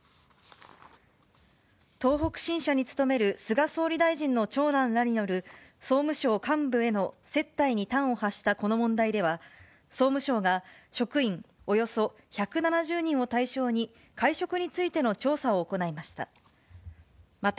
東北新社に勤める菅総理大臣の長男らによる総務省幹部への接待に端を発したこの問題では、総務省が、職員およそ１７０人を対象に、会食についての調査を行いました。